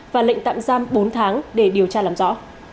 và lệnh tạm giam bốn tháng để điều tra làm rõ